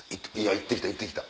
行って来た行って来た。